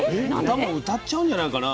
歌も歌っちゃうんじゃないかな。